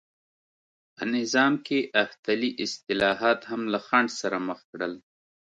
په نظام کې احتلي اصلاحات هم له خنډ سره مخ کړل.